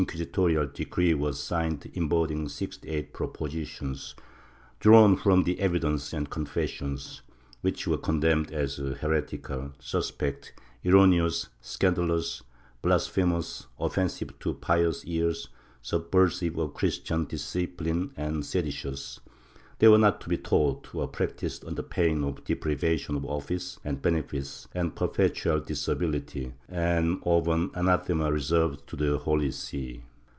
58 MYSTICISM [Book Mil August 20, 1687; on the 28th an inquisitorial decree was signed embodying sixty eight propositions, drawn from the evidence and confessions, which were condemned as lieretical, suspect, erro neous, scandalous, blasphemous, offensive to pious ears, sulDver sive of Christian discipline and seditious; they were not to be taught or practised under pain of deprivation of office and benefice and perpetual disability, and of an anathema reserved to the Holy See.